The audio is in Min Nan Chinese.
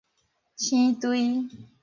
瀳兌